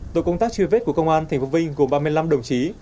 tổ công tác truy vết của công an thành phố vinh gồm ba mươi năm đồng chí